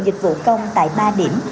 dịch vụ công tại ba điểm